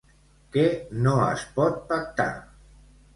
Què no es pot pactar?